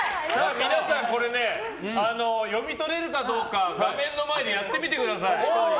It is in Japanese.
皆さんこれ読み取れるかどうか画面の前でやってみてください。